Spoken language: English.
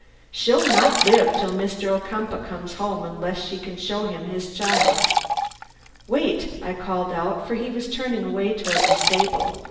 She'll not live till Mr. Ocumpaugh comes home unless she can show him his child." "Wait!" I called out, for he was turning away toward the stable.